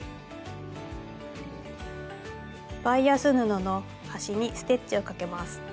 バイアス布の端にステッチをかけます。